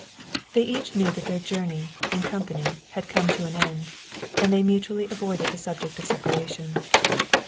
They each knew that their journey, in company, had come to an end, and they mutually avoided the subject of separation.